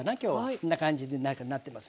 こんな感じで中なってます。